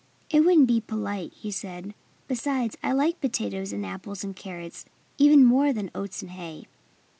"It wouldn't be polite," he said. "Besides, I like potatoes and apples and carrots even more than oats and hay."